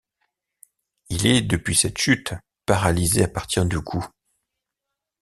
Il est, depuis cette chute, paralysé à partir du cou.